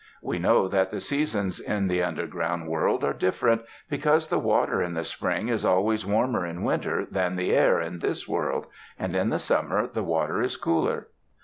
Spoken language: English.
We know that the seasons in the underground world are different, because the water in the spring is always warmer in winter than the air in this world; and in summer the water is cooler.